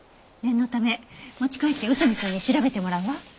念のため持ち帰って宇佐見さんに調べてもらうわ。